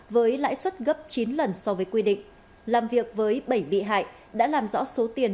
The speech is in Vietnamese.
với lãi suất gấp chín lần so với quy định làm việc với bảy bị hại đã làm rõ số tiền